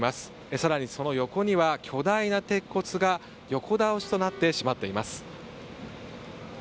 さらに、その横には巨大な鉄骨が横倒しとなってしまっています。